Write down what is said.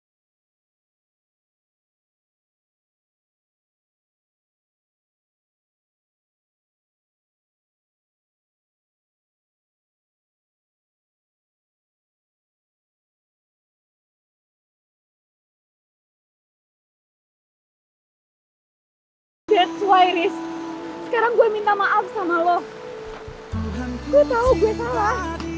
gue tahu gue salah